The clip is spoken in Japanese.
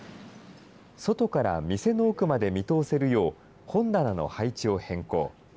外から店の奥まで見通せるよう本棚の配置を変更。